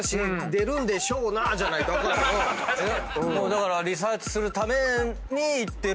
だからリサーチするために行ってるってことでしょ。